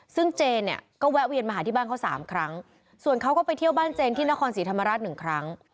ซึ่งเจนเนี่ยก็แวะเวียนมาหาที่บ้านเขาสามครั้งส่วนเขาก็ไปเที่ยวบ้านเจนที่นครศรีธรรมราชหนึ่งครั้ง